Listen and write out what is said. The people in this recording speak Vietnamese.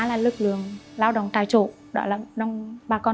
là lực lượng lao động tài chủ đó là bà con đồng bào cơ tu